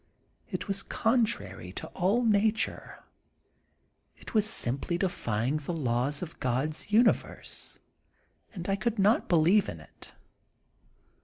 It was contrary to all nature ; it was simply defying the laws of God's universe, and I could not believe in it.